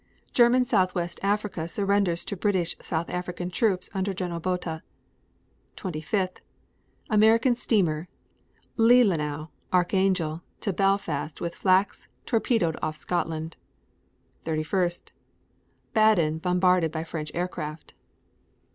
German Southwest Africa surrenders to British South African troops under Gen. Botha. 25. American steamer, Leelanaw, Archangel to Belfast with flax, torpedoed off Scotland. 31. Baden bombarded by French aircraft.